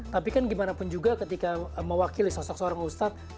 tapi kan gimana pun juga ketika mewakili sosok seorang ustadz